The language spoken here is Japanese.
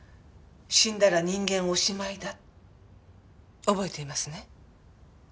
「死んだら人間おしまいだ」。覚えていますね？